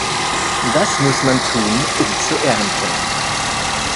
Das muss man tun, um zu ernten.